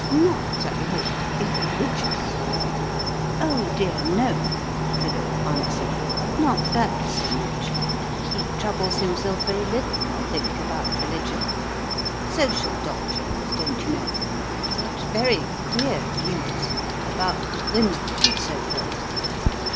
"Not, I hope, irreligious?" "Oh, dear, no," Philip answered; "not that so much. He troubles himself very little, I think, about religion. Social doctrines, don't you know; such very queer views about women, and so forth."